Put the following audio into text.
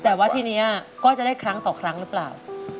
แต่ว่าทีนี้ก็จะได้ครั้งต่อครั้งหรือเปล่า